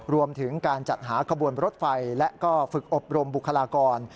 รวมถึงการจัดหาขบวนรถไฟและก็ฝึกอบรมบุคลากร